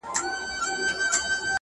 • او دده اوښكي لا په شړپ بهيدې؛